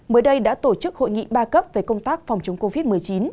mới đây đã tổ chức hội nghị ba cấp về công tác phòng chống covid một mươi chín